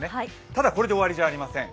ただこれで終わりじゃありません。